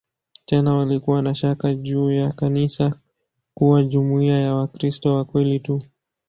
Tena walikuwa na shaka juu ya kanisa kuwa jumuiya ya "Wakristo wa kweli tu".